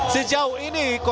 sejauh ini kondisi semakin ramai